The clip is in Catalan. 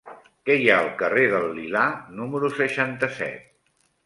Què hi ha al carrer del Lilà número seixanta-set?